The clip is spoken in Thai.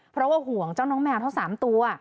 เพราะว่าห่วงเจ้าน้องแมวทั้ง๓ตัว